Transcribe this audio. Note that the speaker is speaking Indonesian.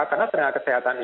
karena tenaga kesehatan ini